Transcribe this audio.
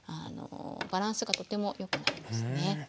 バランスがとてもよくなりますね。